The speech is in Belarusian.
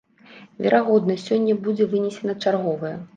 Верагодна, сёння будзе вынесена чарговае.